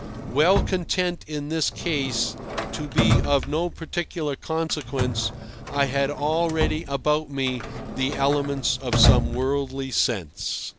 Well content in this case to be of no particular consequence, I had already about me the elements of some worldly sense.